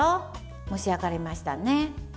蒸し上がりましたね。